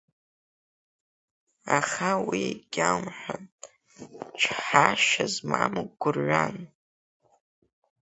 Аха уи егьаумҳәан, чҳашьа змам гәырҩан.